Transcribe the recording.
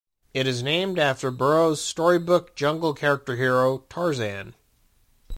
It is named after Burroughs' storybook jungle character hero, Tarzan.